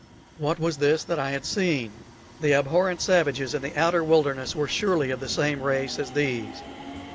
what was this that I had seen? The abhorrent savages in the outer wilderness were surely of the same race as these.